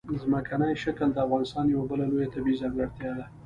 ځمکنی شکل د افغانستان یوه بله لویه طبیعي ځانګړتیا ده.